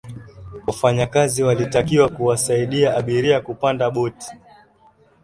wafanyakazi walitakiwa kuwasaidia abiria kupanda boti